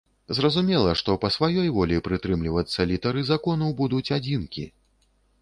Зразумела, што па сваёй волі прытрымлівацца літары закону будуць адзінкі.